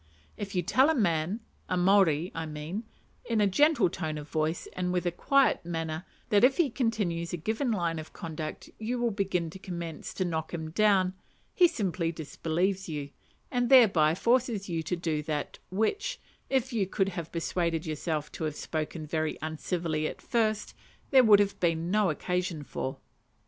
If you tell a man a Maori I mean in a gentle tone of voice and with a quiet manner that if he continues a given line of conduct you will begin to commence to knock him down, he simply disbelieves you, and thereby forces you to do that which, if you could have persuaded yourself to have spoken very uncivilly at first, there would have been no occasion for.